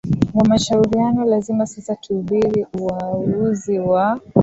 wa mashauriano Lazima sasa tuubiri uauzi wa